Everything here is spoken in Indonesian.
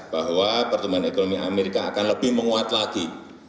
bahwa pertumbuhan ekonomi amerika akan lebih menguat lagi